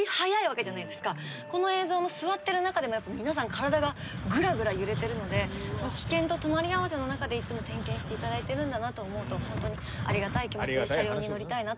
この映像の座ってる中でも皆さん体がぐらぐら揺れてるので危険と隣り合わせの中でいつも点検していただいてるんだなと思うとホントにありがたい気持ちで車両に乗りたいなと思います。